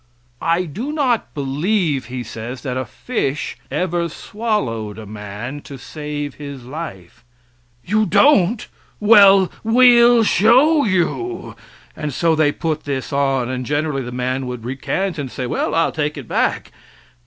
"I do not believe," he says, "that a fish ever swallowed a man to save his life." "You don't? Well, we'll show you!" And so they put this on, and generally the man would recant and say, "Well, I'll take it back."